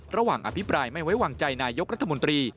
อภิปรายไม่ไว้วางใจนายกรัฐมนตรี